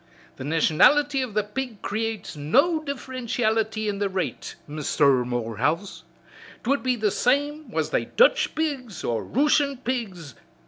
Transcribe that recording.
Th' nationality of the pig creates no differentiality in the rate, Misther Morehouse! 'Twould be the same was they Dutch pigs or Rooshun pigs.